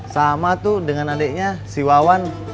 sama tuh dengan adiknya si wawan